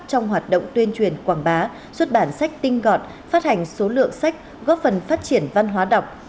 trong hoạt động tuyên truyền quảng bá xuất bản sách tinh gọn phát hành số lượng sách góp phần phát triển văn hóa đọc